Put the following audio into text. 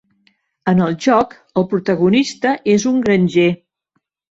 En el joc el protagonista és un granger.